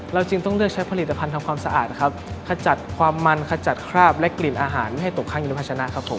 จึงต้องเลือกใช้ผลิตภัณฑ์ทำความสะอาดครับขจัดความมันขจัดคราบและกลิ่นอาหารไม่ให้ตกข้างอยู่ในภาชนะครับผม